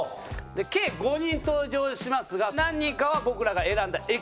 計５人登場しますが何人かは僕らが選んだエキストラの方です。